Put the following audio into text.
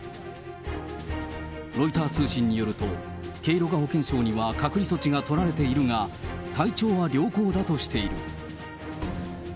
ロイター通信によると、ケイロガ保健相には隔離措置が取られているが、体調は良好だとしている。